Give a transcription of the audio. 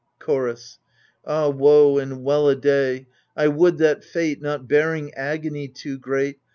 Chorus Ah woe and well a day ! I would that Fate — Not bearing agony too great.